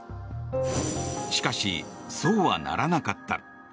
しかし、そうはならなかった。